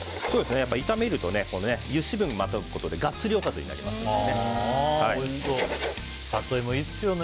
炒めると油脂分をまとうことでガッツリおかずになりますので。